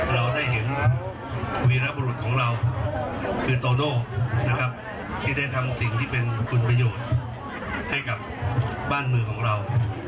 เราได้เห็นวีรบรุษของเราคือโตโน่นะครับที่ได้ทำสิ่งที่เป็นคุณประโยชน์ให้กับบ้านเมืองของเรา